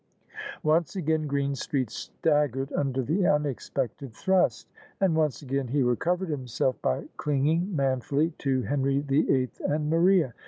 Once again Greenstreet staggered under the unexpected thrust; and once again he recovered himself by clinging man fully to Henry the Eighth and Maria..